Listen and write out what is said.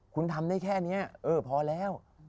คุณทำได้แค่นี้เออพอแล้ว